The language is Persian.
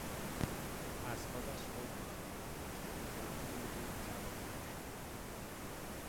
از خودش خوب مراقبت میکرد با این وجود جوانمرگ شد.